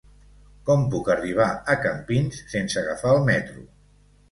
Com puc arribar a Campins sense agafar el metro?